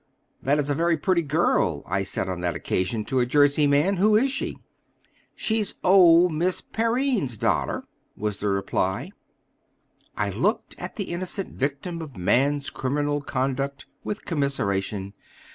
"That is a very pretty girl," I said on that occasion to a Jersey man; "who is she?" "She's old Miss Perrine's da'ter," was the reply. I looked at the innocent victim of man's criminal conduct with commiseration.